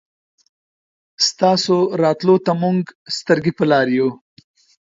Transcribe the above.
ستاسو راتلو ته مونږ سترګې په لار يو